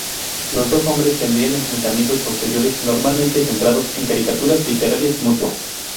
Los dos hombres tendrían enfrentamientos posteriores, normalmente centrados en caricaturas literarias mutuas.